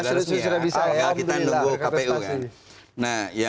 sudah bisa ya